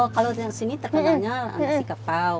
kalau yang sini terkenalnya nasi kapau